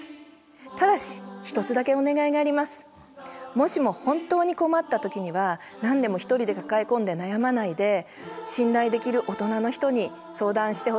もしも本当に困った時には何でも一人で抱え込んで悩まないで信頼できる大人の人に相談してほしいな。